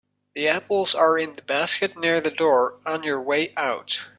The apples are in the basket near the door on your way out.